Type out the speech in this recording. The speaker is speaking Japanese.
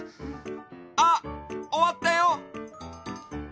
あっおわったよ！